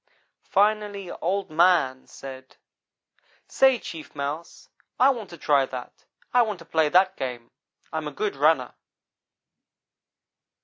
Finally Oldman said: "'Say, Chief Mouse, I want to try that. I want to play that game. I am a good runner.'